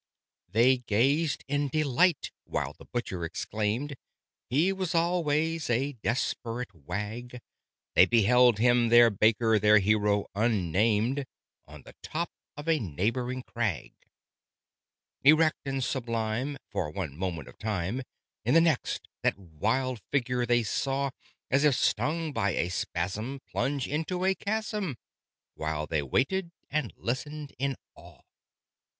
They gazed in delight, while the Butcher exclaimed "He was always a desperate wag!" They beheld him their Baker their hero unnamed On the top of a neighboring crag. Erect and sublime, for one moment of time. In the next, that wild figure they saw (As if stung by a spasm) plunge into a chasm, While they waited and listened in awe.